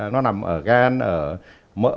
nó nằm ở gan mỡ